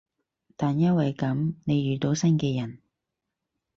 但因為噉，你遇到新嘅人